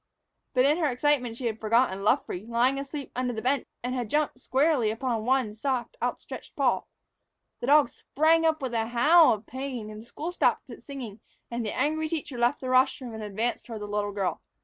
But in her excitement she had forgotten Luffree, lying asleep under the bench, and had jumped squarely upon one soft, outstretched paw. The dog sprang up with a howl of pain, the school stopped its singing, and the angry teacher left the rostrum and advanced toward the little girl.